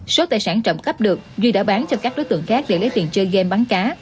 số tài sản trộm cắp được duy đã bán cho các đối tượng khác để lấy tiền chơi game bắn cá